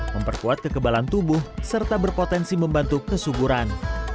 memperkuat kekebalan tubuh serta berpotensi membantu kesuburan